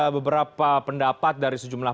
beberapa pendapat dari sejumlah